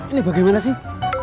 ini bagaimana sih